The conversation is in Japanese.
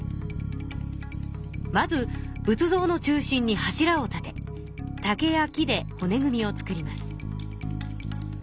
まず仏像の中心に柱を立て竹や木でほね組みを作ります。